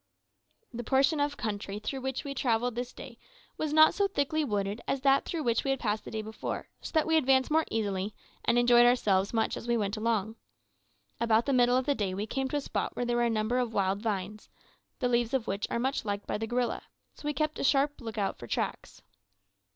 The portion of country through which we travelled this day was not so thickly wooded as that through which we had passed the day before, so that we advanced more easily, and enjoyed ourselves much as we went along. About the middle of the day we came to a spot where there were a number of wild vines, the leaves of which are much liked by the gorilla, so we kept a sharp lookout for tracks.